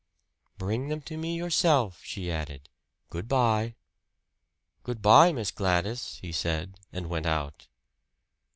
"Bring them to me yourself," she added. "Good by." "Good by, Miss Gladys," he said, and went out.